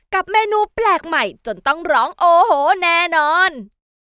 เมนูแปลกใหม่จนต้องร้องโอ้โหแน่นอน